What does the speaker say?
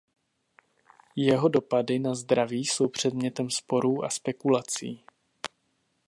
Jeho dopady na zdraví jsou předmětem sporů a spekulací.